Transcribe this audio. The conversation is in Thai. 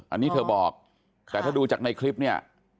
อันนี้เธอบอกแต่ถ้าดูจากในคลิปเนี่ย